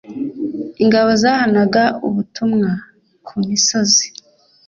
ingabo zahanaga ubutumwa ku misozi